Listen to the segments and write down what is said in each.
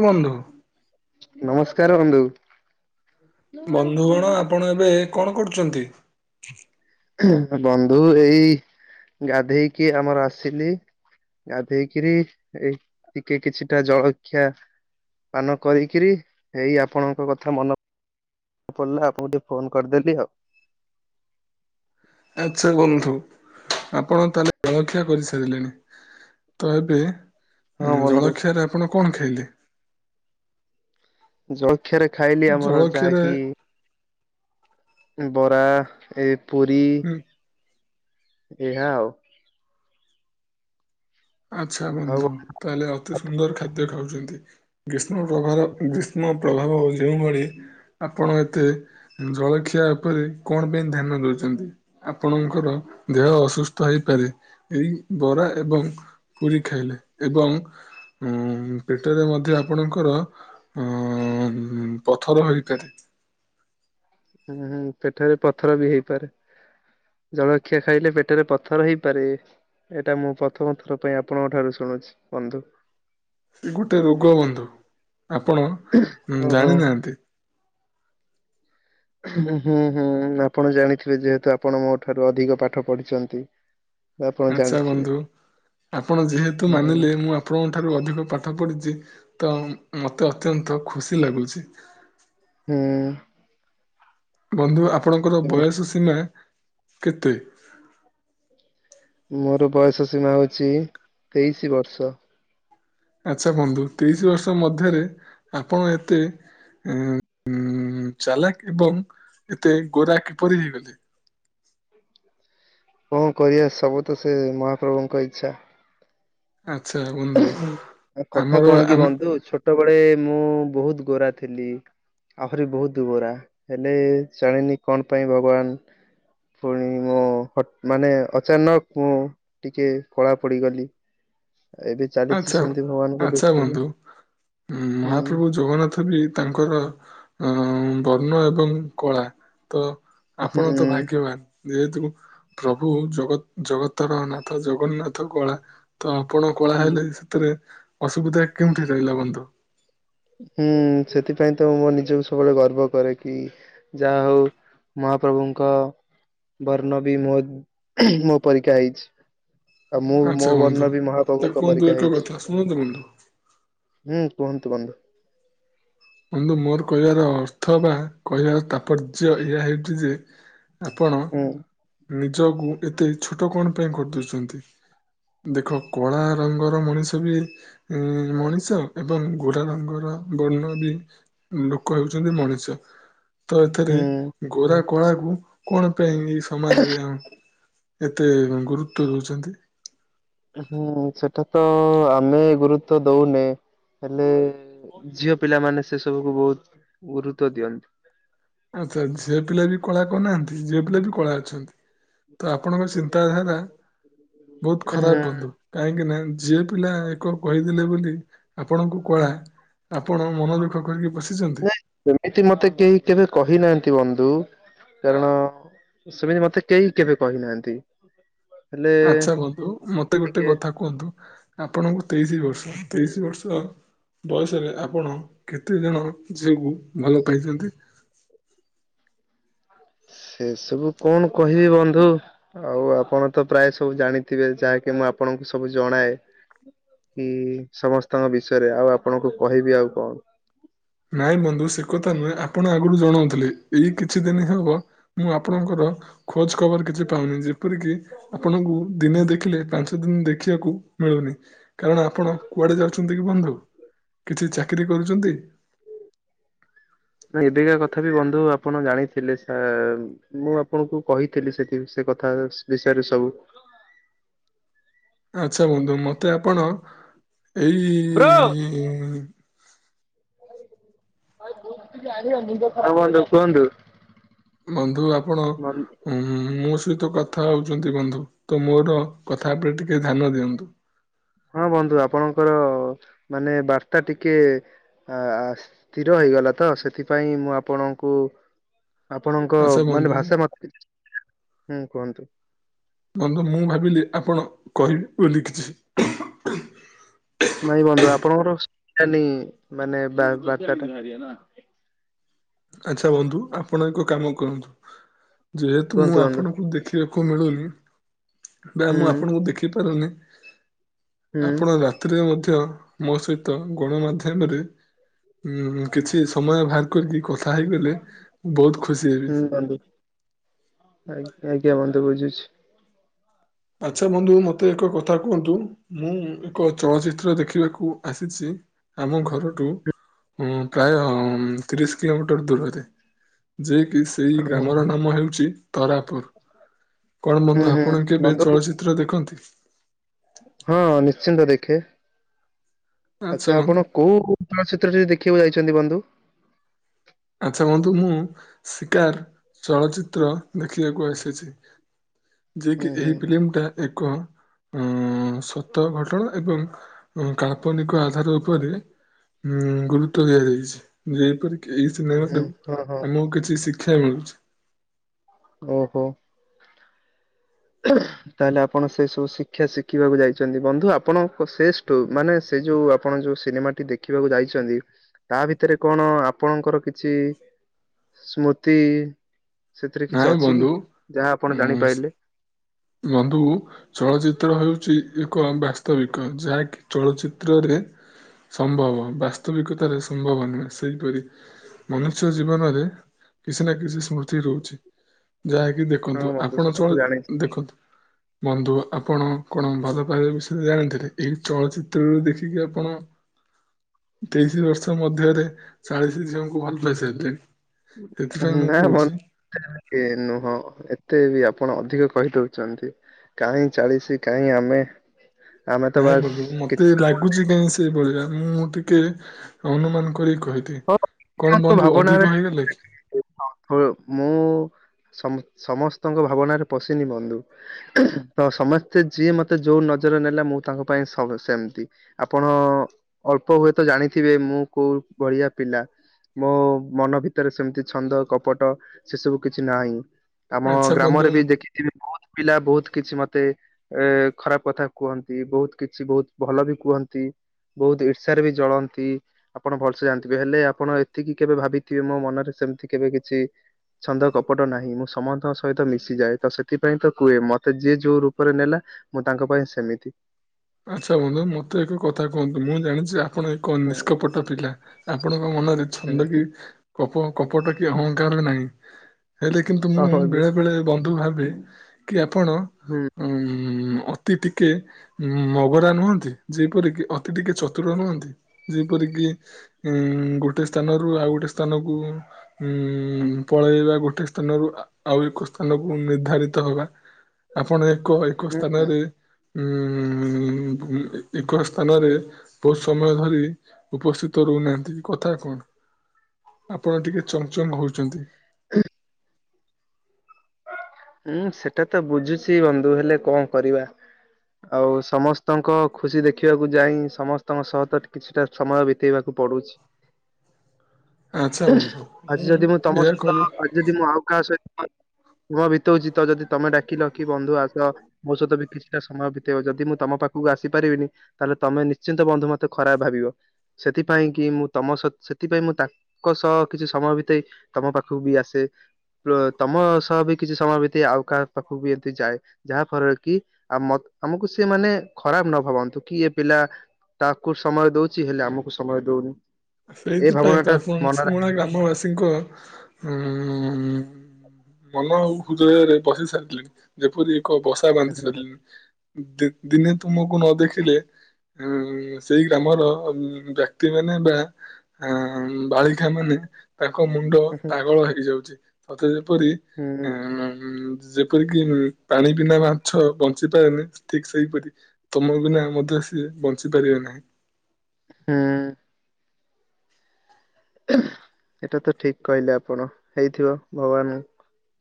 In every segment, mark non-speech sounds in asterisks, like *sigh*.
ଏ ବନ୍ଧୁ। ନମସ୍କାର ବନ୍ଧୁ। ବନ୍ଧୁଗଣ ଆପଣ ଏବେ କଣ କରୁଚନ୍ତି? ବନ୍ଧୁ ଏଇ ଗାଧେଇକି ଆମର ଆସିଲି। ଗାଧେଇକିରି ଏଇ ଟିକେ କିଛିଟା ଜଳଖିଆ ପାନ କରିକିରି ଏଇ ଆପଣଙ୍କ କଥା ମନ ପଡ଼ିଲା ଆପଣଙ୍କୁ ଟିକେ ଫୋନ କରିଦେଲି ଆଉ। ଆଚ୍ଛା ବନ୍ଧୁ ଆପଣ ତାହେଲେ ଜଳଖିଆ କରିସାରିଲେଣି। ତ ଏବେ ହଁ ବନ୍ଧୁ ଜଳଖିଆରେ ଆପଣ କଣ ଖାଇଲେ? ଜଳଖ୍ୟାରେ ଖାଇଲି ଆମର ଜଳଖିଆରେ ଯାହାକି ବରା ଏ ପୁରୀ ଏଆ ଆଉ। ଆଚ୍ଛା ଆଉ ବନ୍ଧୁ ହୁଁ ତାହେଲେ ଅତି ସୁନ୍ଦର ଖାଦ୍ୟ ଖାଉଚନ୍ତି। ଗ୍ରୀଷ୍ମ ପ୍ରଭା ଗ୍ରୀଷ୍ମ ପ୍ରଭାବ ଯେଉଁଭଳି ଆପଣ ଏତେ ଜଳଖିଆ ଉପରେ କଣ ପାଇଁ ଧ୍ୟାନ ଦଉଚନ୍ତି। ଆପଣଙ୍କର ଦେହ ଅସୁସ୍ଥ ହେଇପାରେ ଏଇ ବରା ଏବଂ ପୁରୀ ଖାଇଲେ ଏବଂ ଉଁ ପେଟରେ ମଧ୍ୟ ଆପଣଙ୍କର ଅଁ ପଥର ହେଇପାରେ। ଉଁ ହୁଁ ପେଟରେ ପଥର ବି ହେଇପାରେ। ଜଳଖିଆ ଖାଇଲେ ପେଟରେ ପଥର ହେଇପାରେ। ଏଟା ମୁଁ ପ୍ରଥମ ଥର ପାଇଁ ଆପଣଙ୍କ ଠାରୁ ଶୁଣୁଛି ବନ୍ଧୁ। ସେ ଗୋଟେ ରୋଗ ବନ୍ଧୁ ଆପଣ ଓହୋ ଜାଣିନାହାନ୍ତି। ହୁଁ ହୁଁ ଆପଣ ଜାଣିଥିବେ ଯେହେତୁ ଆପଣ ମୋ ଠାରୁ ଅଧିକ ପାଠ ପଢିଚନ୍ତି। ଆଛା ବନ୍ଧୁ ଆପଣ ଯେହେତୁ ହୁଁ ମାନିଲେ ମୁଁ ଆ ଆପଣଙ୍କ ଠାରୁ ଅଧିକ ପାଠ ପଢ଼ିଚି ତ ମତେ ଅତ୍ୟନ୍ତ ଖୁସି ଲାଗୁଚି। ହୁଁ। ବନ୍ଧୁ ଆପଣଙ୍କର ହୁଁ ବୟସ ସୀମା କେତେ? ମୋର ବୟସ ସୀମା ହଉଚି ତେଇଶି ବର୍ଷ। ଆଚ୍ଛା ବନ୍ଧୁ ତିରିଶ ବର୍ଷ ମଧ୍ୟରେ ଆପଣ ଏତେ ଉଁ ଚାଲାକ ଏବଂ ଏତେ ଗୋରା କିପରି ହେଇଗଲେ? କଁ କରିବା ସବୁ ତ ସେ ମହାପ୍ରଭୁଙ୍କ ଇଚ୍ଛା। ଆଚ୍ଛା ବ *inaudible* କଥା କଣ କି ବନ୍ଧୁ ଛୋଟ ବଳେ ମୁଁ ବହୁତ ଗୋରା ଥିଲି। ଆହୁରି ବହୁତ ଗୋରା, ହେଲେ ଜଣିନି କଣ ପାଇଁ ଭଗବାନ ପୁଣି ମୋ *unintelligible* ମାନେ ଅଚାନକ ମୁଁ ଟିକେ କଳା ପଡ଼ିଗଲି। ଆଛା ଭଗବାନଙ୍କ ଆଚ୍ଛା ଦୃଷ୍ଟିରୁ ବନ୍ଧୁ *unintelligible* ମହାପ୍ରଭୁ ହୁଁ ଜଗନ୍ନାଥ ବି ତାଙ୍କର *unintelligible* ବର୍ଣ୍ଣ ଏବଂ କଳା, ତ ଆପଣ ତ ଭାଗ୍ୟବାନ, ଯେହେତୁ ପ୍ରଭୁ ଜଗତ ଜଗତର ନାଥ ଜଗନ୍ନାଥ କ, ତ ଆପଣ କଳା ହୁଁ। ହେଲେ ସେଥିରେ ଅସୁବିଧା କେଉଁଠି ରହିଲା ବନ୍ଧୁ। ହୁଁ ସେଥିପାଇଁ ତ ମୋ ନିଜକୁ ସବୁବେଳେ ଗର୍ବ କରେ କି ଯାହା ହଉ ମହାପ୍ରଭୁଙ୍କ ବର୍ଣ୍ଣ ବି ମୋ *unintelligible* ମୋ ପରୀକ୍ଷା ହେଇଛି। ଆଉ ମୁଁ ଆଚ୍ଛା ମୋ ବନ୍ଧୁ ବର୍ଣ୍ଣ ବି ମତେ ମହାପ୍ରଭୁଙ୍କ କୁହନ୍ତୁ ପରୀକ୍ଷା ଏକ ହେଇଛି। କଥା ଶୁଣନ୍ତୁ ବନ୍ଧୁ ହୁଁ କୁହନ୍ତୁ ବନ୍ଧୁ? *unintelligible* ମୋର କହିବାର ଅର୍ଥ ବା କହିବାର ତାତ୍ପର୍ଯ୍ୟ ଏହା ହେଉଛି ଯେ ଆପଣ ହୁଁ ନିଜକୁ ଏତେ ଛୋଟ କଣ ପାଇଁ କରିଦଉଛନ୍ତି? ଦେଖ କଳା ରଙ୍ଗର ମଣିଷ ବି ଉଁ ମଣିଷ ଏବଂ ଗୋରା ରଙ୍ଗର ବର୍ଣ୍ଣବି ଲୋକ ହେଉଛନ୍ତି ମଣିଷ, ତ ଏଥିରେ ହୁଁ ଗୋରା କଳା କୁ କଣ ପାଇଁ ସମାଜରେ ଆ ଏତେ ଗୁରୁତ୍ୱ ଦଉଛନ୍ତି? ହୁଁ ସେଟା ତ ଆମେ ଗୁରୁତ୍ୱ ଦଉନେ, ହେଲେ ଝିଅ ପିଲାମାନେ ସେ ସବୁକୁ ବହୁତ ଗୁରୁତ୍ଵ ଦିଅନ୍ତି। ଆଚ୍ଛା ଝିଅ ପିଲା ବି କଳା କନାହାନ୍ତି? *unintelligible* ପିଲା ବି କଳା ଅଛନ୍ତି, ତ ଆପଣଙ୍କ ଚିନ୍ତାଧାରା ବହୁତ ହୁଁ ଖରାପ ବନ୍ଦୁ, କାହିଁକିନା ଝିଅ ପିଲା *unintelligible* କହିଦେଲେ ବୋଲି ଆପଣଙ୍କୁ କଳା, ଆପଣ ମନଦୁଃଖ କରିକି ବଶିଛନ୍ତି। ନାଇଁ ସେମିତି ମତେ କେହି କେବେ କହିନାହାନ୍ତି ବନ୍ଧୁ କାରଣ, ସେମିତି ମତେ କେହି କେବେ କହିନାହାନ୍ତି। ହେଲେ ଆଚ୍ଛା ବନ୍ଧୁ ମତେ ଗୋଟେ ଟିକେ କଥା କୁହନ୍ତୁ, ଆପଣଙ୍କୁ ତେଇଶି ବର୍ଷ *inaudible* ତେଇଶି ହୁଁ ବର୍ଷ। ବୟସରେ ଆପଣ କେତେଜଣ ଝିଅକୁ ଭଲ ପାଇଛନ୍ତି? ସେ ସବୁ କଣ କହିବି ବନ୍ଧୁ? ଆଉ ଆପଣ ତ ପ୍ରାୟ ସବୁ ଜାଣିଥିବେ ଯାହାକି ମୁଁ ଆପଣଙ୍କୁ ସବୁ ଜଣାଏ। କି ସମସ୍ତଙ୍କ ବିଷୟରେ ଆଉ ଆପଣଙ୍କୁ କହିବି ଆଉ କଣ। ନାଇଁ ବନ୍ଧୁ ସେ କଥା ନୁହେଁ ଆପଣ ଆଗରୁ ଜଣଉଥିଲେ ଏଇ କିଛି ଦିନ ହବ ମୁଁ ଆପଣଙ୍କର ଖୋଜ ଖବର କିଛି ପାଉନି, ଯେପରିକି ଆପଣଙ୍କୁ ଦିନେ ଦେଖିଲେ ପାଞ୍ଚ ଦିନ ଦେଖିଆକୁ ମିଳୁନି, କାରଣ ଆପଣ କୁଆଡେ ଯାଉଛନ୍ତି କି ବନ୍ଧୁ? କିଛି ଚାକିରି କରୁଛନ୍ତି? ଏବେକା କଥା ବି ବନ୍ଧୁ ଆପଣ ଜାଣିଥିଲେ *unintelligible* ମୁଁ ଆପଣଙ୍କୁ କହିଥିଲି ସେଠି ସେ କଥା *unintelligible* ବିଷୟରେ ସବୁ। ଆଚ୍ଛା ବନ୍ଧୁ ମତେ ଆପଣ ଏଇ *unintelligible* କୁହନ୍ତୁ? ବନ୍ଧୁ ଆପଣ ବନ୍ ଉଁ ମୋ ସହିତ କଥା ହଉଛନ୍ତି ବନ୍ଧୁ ତ ମୋର କଥା ଉପରେ ଟିକେ ଧ୍ୟାନ ଦିଅନ୍ତୁ। ହଁ ବନ୍ଧୁ ଆପଣଙ୍କର ମାନେ ବାର୍ତ୍ତା ଟିକେ ଆ ସ୍ଥିର ହେଇଗଲା ତ ସେଥିପାଇଁ ମୁଁ ଆପଣଙ୍କୁ ଆପଣଙ୍କ ଆଚ୍ଛା ମାନେ ବନ୍ଧୁ ଭାଷା ମତେ ହୁଁ କୁହନ୍ତୁ। ବନ୍ଧୁ ମୁଁ ଭାବିଲି ଆପଣ କହିବେ ବୋଲି କିଛି। ନାଇ ବନ୍ଧୁ ଆପଣଙ୍କର *unintelligible* ମାନେ ବା ବାର୍ତ୍ତାଟା ଆଚ୍ଛା ବନ୍ଧୁ ଆପଣ ଏକ କାମ କରନ୍ତୁ ଯେହେତୁ କୁହନ୍ତୁ ମୁଁ ବନ୍ଧୁ ଆପଣଙ୍କୁ ଦେଖି ଖିବାକୁ ମିଳୁନି ବା ହୁଁ ମୁଁ ଆପଣଙ୍କୁ ଦେଖି ପାରୁନି ହୁଁ ଆପଣ ରାତିିରେ ମଧ୍ୟ ମୋ ସହିତ ଗଣମାଧ୍ୟମରେ ଉଁ କିଛି ସମୟ ବାହାର କରିକି କଥା ହେଇଗଲେ ମୁ ବହୁତ ଖୁସିହେବି। ବନ୍ଦୁ ଆଜ୍ଞା ଆଜ୍ଞା ବନ୍ଧୁ ବୁଝୁଛି। ଆଚ୍ଛା ବନ୍ଧୁ ମୋତେ ଏକ କଥା କୁଅନ୍ତୁ ମୁଁ ଏକ ଚଳଚିତ୍ର ଦେଖିବାକୁ ଆସିଛି। ଆମ ଘରଠୁ ହଁ ପ୍ରାୟ ତିରିଶ କିଲୋମିଟର ଦୂରରେ ଯେକିି ତେଇ ଗ୍ରାମର ହୁଁ ନାମ ହେଉଛି ତରାପୁର କଣ ବନ୍ଧୁ ହୁଁ ଆପଣ କେବେ ବନ୍ଧୁ ଚିତ୍ର ଦେଖନ୍ତି? ହଁ ନିଶ୍ଚିନ୍ତ ଦେଖେ ଆଚ୍ଛା ଆଛା ବନ୍ଧୁ ଆପଣ କୋଉ ଚଳଚ୍ଚିତ୍ର ଟିଏ ଦେଖିବାକୁ ଯାଇଛନ୍ତି ବନ୍ଧୁ ଆଚ୍ଛା ବନ୍ଧୁ ମୁଁ ଶିକାର ଚଳଚ୍ଚିତ୍ର ଦେଖିବାକୁ ଆସିଛି ଯେ କି ହୁଁ ଏହି ହୁଁ ଫିଲ୍ମ ଟା ଏକ ଉ ସତ ଘଟଣା ଏବଂ ଉ କାଳ୍ପନିକ ଆଧାର ଉପରେ ଉଁ ଗୁରୁତ୍ୱ ଦିଆଯାଇଛି ଯେପରିକି ହୁଁ ସିନେମାଠୁ ହୁଁ ହଁ ହଁ ଆମକୁ କିଛି ଶିକ୍ଷା ମିଳୁଛି ଓହୋ ହ *unintelligible* ତାହେଲେ ଆପଣ ସେ ସବୁ ଶିକ୍ଷା ଶିଖିବାକୁ ଯାଇଛନ୍ତି ବନ୍ଧୁ ଆପଣଙ୍କ ସେଶ ଠୁ ମାନେ ସେ ଯୋଉ ଆପଣ ଯୋଉ ସିନେମା ଟି ଦେଖିବାକୁ ଯାଇଛନ୍ତି ତା ଭିତରେ କଣ ଆପଣଙ୍କର କିଛି ସ୍ମୃତି ସେଥିରେ କିଛି ନାଇଁ ଅଛି ବନ୍ଧୁ କି ଯାହା ଆପଣ ଉଁ ଜାଣିପାରିଲେ ବନ୍ଧୁ ଚଳଚିତ୍ର ହେଉଛି ଏକ ବାସ୍ତବିକ ଯାହାକି ଚଳଚ୍ଚିତ୍ରରେ ସମ୍ଭବ ବାସ୍ତବିକତାରେ ସମ୍ଭବ ନୁହେଁ ସେହିପରି ମନୁଷ୍ୟ ଜୀବନରେ କିଛି ନା କିଛି ସ୍ମୃତି ରହୁଛି ଯାହାକି ହଁ ଦେଖନ୍ତୁ ବନ୍ଧୁ ଆପଣ ସେଟା ତ ଚଳ ଜାଣିଛି ଦେଖନ୍ତୁ ବନ୍ଧୁ ଆପଣ କଣ ଭଲ ପାଇବା ବିଷୟରେ ଜାଣିଥିଲେ ଏଇ ଚଳଚିତ୍ରରୁ ଦେଖିକି ଆପଣ ତେଇଶି ବର୍ଷ ମଧ୍ୟରେ ଚାଳିସି ଝିଅଙ୍କୁ ଭଲ ପାଏ ସାରିଲେଣି ସେଥିପାଇଁ ମୁଁ ନା ବନ୍ଧୁ କହୁଛି ଏ ନୁହଁ ଏତେ ବି ଆପଣ ଅଧିକ କହିଦଉଛନ୍ତି କାହିଁ ଚାଳିଶି କାହିଁ ଆମେ ଆମେ ତ ନାଇଁ ବାସ୍ ବନ୍ଧୁ କିଛି ମତେ ଲାଗୁଛି କାହିଁ ସେଇଭଳିଆ ମୁଁ ଟିକେ ଅନୁମାନ କରି କହି ହଁ *unintelligible* ଭାବନାରେ କି ମୁଁ ସମ ସମସ୍ତଙ୍କ ଭାବନାରେ ପଶିନି ବନ୍ଧୁ ତ ସମସ୍ତେ ଯିଏ ମତେ ଯୋଉ ନଜର ନେଲା ମୁଁ ତାଙ୍କ ପାଇଁ ସବୁ ସେମିତି ଆପଣ ଅଳ୍ପ ହୁଏତ ଜାଣିଥିବେ ମୁଁ କୋଉ ଭଳିିଆ ପିଲା ମୋ ମନ ଭିତରେ ସେମିତି ଛନ୍ଦ କପଟ ସେ ସବୁ କିଛି ନାହିଁ ଆମ ଆଚ୍ଛା ବନ୍ଧୁ ଗ୍ରାମରେ ବି ଦେଖିଥିବି ବହୁତ ପିଲା ବହୁତ କିଛି ମତେ ଏ ଖରାପ କଥା କୁହନ୍ତି ବହୁତ କିଛି ବହୁତ ଭଲ ବି କୁହନ୍ତି। ବହୁତ ଈର୍ଷା ରେ ବି ଜଳନ୍ତି ଆପଣ ଭଲ ସେ ଜାଣିଥିବେ ହେଲେ ଆପଣ ଏତିକି କେବେ ଭାବିଥିବେ ମୋ ମନରେ ସେମିତି କେବେ କିଛି ଛନ୍ଦ କପଟ ନାହିଁ ମୁଁ ସମସ୍ତଙ୍କ ସହିତ ମିଶିଯାଏ ତ ସେଥିପାଇଁ ତ କୁହେ ମତେ ଯିଏ ଯୋଉ ରୂପରେ ନେଲା ମୁଁ ତାଙ୍କ ପାଇଁ ସେମିତି। ଆଚ୍ଛା ବନ୍ଧୁ ମତେ ଏକ କଥା କୁହନ୍ତୁ ମୁଁ ଜାଣିଛି ଆପଣ ଏକ ହୁଁ ନିଷ୍କପଟ ପିଲା। ଆପଣଙ୍କ ମନରେ ହୁଁ ଛନ୍ଦ କିି କପ କପଟ କି ଅହଙ୍କାର ନାହିଁ। ହେଲେ କିନ୍ତୁ ମୁଁ ହଁ ବନ୍ଧୁ ବେଳେ ବେଳେ ବନ୍ଧୁ ଭାବେ କି ଆପଣ ହୁଁ। ଉଁ ଅତି ଟିକେ ଉଁ ମଗରା ନୁହଁନ୍ତି ଯେପରିକି ଅତି ଟିକେ ଚତୁର ନୁହଁନ୍ତି ଯେ ପରିକି ଉଁ ଗୋଟେ ସ୍ଥାନରୁ ଆଉ ଗୋଟେ ସ୍ଥାନକୁ ହୁଁ ପଳେଇବା ଗୋଟେ ସ୍ଥାନରୁ ଆଉ ଏକ ସ୍ଥାନକୁ ନିର୍ଦ୍ଧାରିତ ହବା ଆପଣ ଏକ ଏକ ହୁଁ ସ୍ଥାନରେ ଉଁ ଉଁ ଏକ ସ୍ଥାନରେ ବହୁତ ସମୟ ଧରି ଉପସ୍ଥିତ ରହୁନାହାନ୍ତି କି କଥା କଣ? ଆପଣ ଟିକେ ଚଙ୍ଗ ଚଙ୍ଗ ହଉଛନ୍ତି। ହ ହୁଁ ସେଟା ତ ବୁଝୁଛି ବନ୍ଧୁ ହେଲେ କଣ କରିବା। ଆଉ ସମସ୍ତଙ୍କ ଖୁସି ଦେଖିବାକୁ ଯାଇ ସମସ୍ତଙ୍କ ସହ ତ କିଛିଟା ସମୟ ବିତେଇବାକୁ ପଡୁଛି। ଆଚ୍ଛା ବନ୍ଧୁ ଆଜି ମୁଁ ଯଦି ତମ ଏଇଆ ସହିତ କହୁ ଯଦି ମୁଁ ଆଉ କାହା ସହି ନୂଆ ବିତଉଛିି ତ ଯଦି ତମେ ଡାକିିଲ କି ବନ୍ଧୁ ଆସ ମୋ ସହିତ ବି କିଛିଟା ସମୟ ବିତେଇବ ଯଦି ମୁଁ ତମ ପାଖକୁ ଆସି ପାରିବିନି ତାହେଲେ ତମେ ନିଶ୍ଚିନ୍ତ ବନ୍ଧୁ ମତେ ଖରାପ ଭାବିବ ସେଥିପାଇଁ କି ମୁଁ ତମ ସେଥିପାଇଁ ମୁଁ ତା ଙ୍କ ସହ କିଛି ସମୟ ବିତେଇ ତମ ପାଖକୁ ବି ଆସେ ତମ ସହ ବି କିଛି ସମୟ ବିତେଇ ଆଉ କାହା ପାଖକୁ ବି ଏମିତି ଯାଏ। ଯାହା ଫଳରେ କି ଆ ଆମକୁ ସେ ମାନେ ଖରାପ ନ ଭାବନ୍ତୁ କି ଏ ପିଲା ତାକୁ ସମୟ ଦଉଛି ହେଲେ ଆମକୁ ସମୟ ଦଉନି। ଏ ସେଇଥିପାଇଁ ଭାବନା ତ ଟା ଆପଣ ମନରେ ନିଷମୁଣା ଗ୍ରାମ ବାସୀ ଙ୍କ ହୁଁ ହୁଁ ମନ ଆଉ ହୃଦୟରେ ବସି ସାରିିଲେଣି ଯେପରି ଏକ ବାନ୍ଧି ଆସେ। ସାରିଲେଣି ଦି ଦିନେ ତୁମକୁ ନ ଦେଖିଲେ ଉଁ ସେଇ ଗ୍ରାମର ବ୍ୟକ୍ତି ମାନେ ବା ଆ ବାଳିକା ମାନେ ତାଙ୍କ ମୁଣ୍ଡ ହୁଁ ପାଗଳ ହେଇଯାଉଛି ସତେ ଯେପରି ହୁଁ ଉଁ ଯେ ଯେପରିକି ପାଣି ବିନା ମାଛ ବଞ୍ଚି ପାରେନି ଠିକ୍ ସେଇପରି। ତମ ବିନା ମଧ୍ୟ ସିଏ ବଞ୍ଚି ପାରିବେ ନାହିଁ। ହୁଁ। ଏଇଟା ତ ଠିକ୍ କହିଲେ ଆପଣ ହେଇଥିବ ଭଗବାନ୍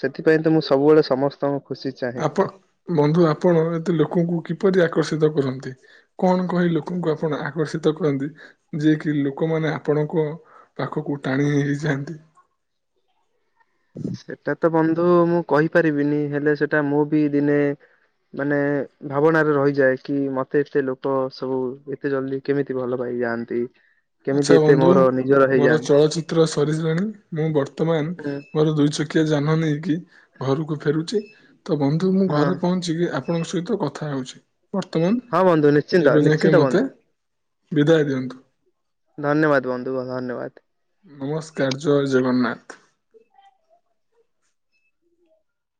ସେଥିପାଇଁ ତ ମୁଁ ସବୁବେଳେ ସମସ୍ତଙ୍କ ଖୁସି ଚାହେଁ। ଆପଣ ବନ୍ଧୁ ଆପଣ ଏତେ ଲୋକ ଙ୍କୁ କିପରି ଆକର୍ଷିତ କରନ୍ତି? କଣ କହି ଲୋକଙ୍କୁ ଆପଣ ଆକର୍ଷିତ କରନ୍ତି? ଯିଏ କି ଲୋକମାନେ ଆପଣଙ୍କ ପାଖକୁ ଟାଣି ହେଇ-ହେଇ ଯାଆନ୍ତି। ସେଟା ତ ବନ୍ଧୁ ମୁଁ କହିପାରିବିନି ହେଲେ ସେଟା ମୁଁ ବି ଦିନେ ମାନେ ଭାବନାରେ ରହିଯାଏ କି ମତେ ଏତେ ଲୋକ ସବୁ ଏତେ ଜଲଦି କେମିତି ଭଲ ପାଇଯାଆନ୍ତି କେମିତି ଆଚ୍ଛା ଏତେ ବନ୍ଧୁ ମୋର ନିଜର ମୋର ହେଇଯାଆନ୍ତି। ଚଳଚ୍ଚିତ୍ର ସରିସାଇଲାଣି ମୁଁ ବର୍ତ୍ତମାନ୍ ହୁଁ ମୋର ଦୁଇ ଚ କିଆ ଯାନ ନେଇକି ଘରକୁ ଫେରୁଛି ତ ବନ୍ଧୁ ମୁଁ ହଁ ଘରେ ପହଁ ଚିକି ଆପଣଙ୍କ ସହିତ କଥା ହଉଛି। ବର୍ତ୍ତମାନ ହଁ ବନ୍ଧୁ ନିଶ୍ଚିନ୍ତ ଏବେ ଯାଇକି ନିଶ୍ଚିନ୍ତ ମତେ ବନ୍ଧୁ ବିଦାୟ ଦିଅନ୍ତୁ। ଧନ୍ୟବାଦ ବନ୍ଧୁ ଧନ୍ୟବାଦ। ନମସ୍କାର ଜୟ ଜଗନ୍ନାଥ।